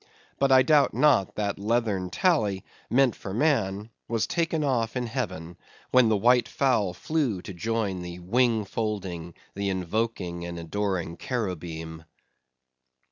But I doubt not, that leathern tally, meant for man, was taken off in Heaven, when the white fowl flew to join the wing folding, the invoking, and adoring cherubim!